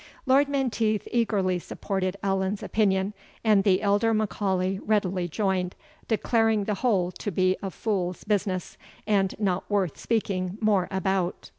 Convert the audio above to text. Lord Menteith eagerly supported Allan's opinion, and the elder M'Aulay readily joined, declaring the whole to be a fool's business, and not worth speaking more about.